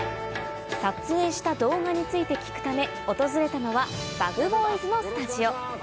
撮影した動画について聞くため訪れたのはＢｕｇＢｏｙｓのスタジオ